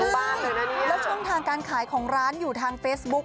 แล้วช่องทางการขายของร้านอยู่ทางเฟซบุ๊ก